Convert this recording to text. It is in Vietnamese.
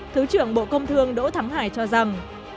thứ trưởng bộ công thương đỗ thắng hải cho rằng